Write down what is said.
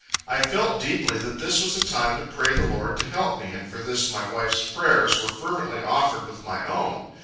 I felt deeply, that this was a time to pray the Lord to help me, and for this my wife's prayers were fervently offered with my own.